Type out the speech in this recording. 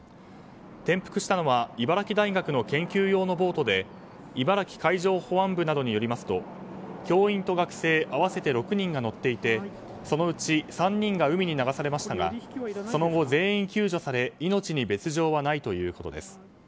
転覆したのは茨城大学の研究用のボートで茨城海上保安部などによりますと教員と学生合わせて６人が乗っていてそのうち３人が海に流されましたがその後、全員救助され命に別条はないということです。